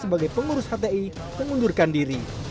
sebagai pengurus hti mengundurkan diri